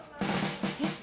えっ？